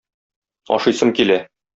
Ашыйсым килә...